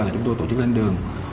chúng tôi tổ chức lên đường